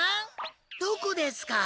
どこですか？